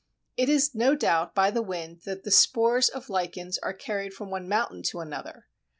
It is no doubt by the wind that the spores of lichens are carried from one mountain to another.